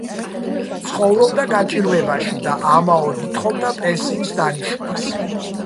ცხოვრობდა გაჭირვებაში და ამაოდ ითხოვდა პენსიის დანიშვნას.